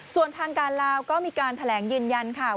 ส่วนทางการลาวก็มีการแถลงยืนยันค่ะ